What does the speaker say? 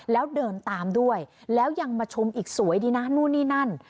แล้วเดินตามด้วยแล้วยังมาชมอีกสวยดีนะนู่นนี่นั่น